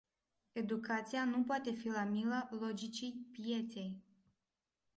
Educația nu poate fi la mila logicii pieței.